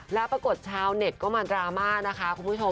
แล้วปรากฏชาวเน็ตก็มาดราม่านะคะคุณผู้ชม